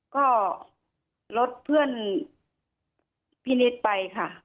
ก็ลดเพื่อนพี่นิดไปค่ะ